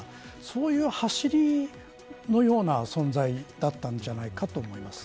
そういうはしりのような存在だったんじゃないかと思います。